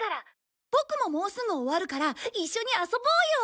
ボクももうすぐ終わるから一緒に遊ぼうよ！